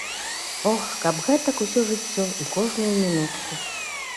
Ох, каб гэтак усё жыццё і кожную мінутку.